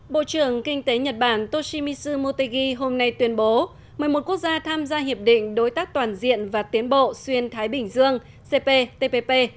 bộ trưởng kinh tế nhật bản toshimitsu motegi hôm nay tuyên bố mời một quốc gia tham gia hiệp định đối tác toàn diện và tiến bộ xuyên thái bình dương cp tpp